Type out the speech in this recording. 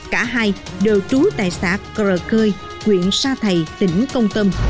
cả hai đều trú tại xã cơ rơ cơi quyện sa thầy tỉnh công tâm